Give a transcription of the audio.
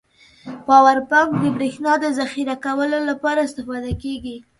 پاور بانک د بريښنا د زخيره کولو لپاره استفاده کیږی.